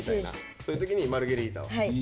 そういう時にマルゲリータを。